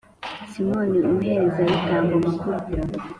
Simoni, umuherezabitambo mukuru